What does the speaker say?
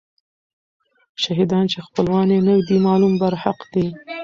شهیدان چې خپلوان یې نه دي معلوم، برحق دي.